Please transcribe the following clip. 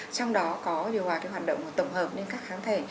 trong đó có điều hòa cái hoạt động tổng hợp nên các kháng thể